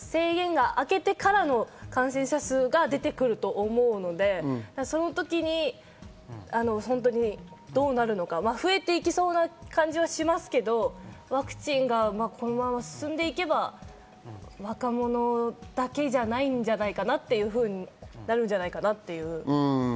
多分もうあと１週間、２週間たったら宣言があけてからの感染者数が出てくると思うので、その時にどうなるのか増えていきそうな感じはしますけど、ワクチンがこのまま進んでいけば若者だけじゃないんじゃないかなっていうふうになるんじゃないかなって。